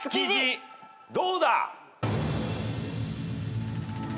どうだ！？